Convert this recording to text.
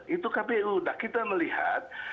itu kpu nah kita melihat